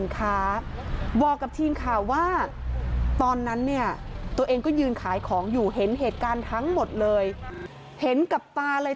ก็ยืนขายของอยู่เห็นเหตุการณ์ทั้งหมดเลยเห็นกับปลาเลย